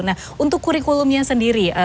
nah untuk kurikulumnya sendiri